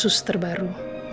sama sus terbaru